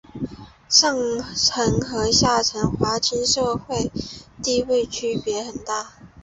上层和下层华裔的社会地位区别很大。